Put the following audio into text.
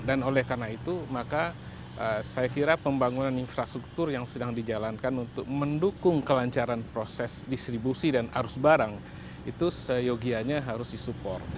dan oleh karena itu maka saya kira pembangunan infrastruktur yang sedang dijalankan untuk mendukung kelancaran proses distribusi dan arus barang itu seyogianya harus di support